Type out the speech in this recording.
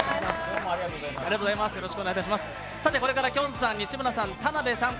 これからきょんさん、西村さん、田辺さん